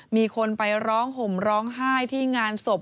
มีคนไปร้องห่มร้องไห้ที่งานศพ